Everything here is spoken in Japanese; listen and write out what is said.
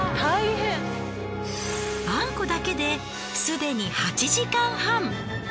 あんこだけですでに８時間半。